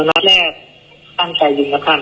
เออนัดแรกตั้งใจยิงครับท่าน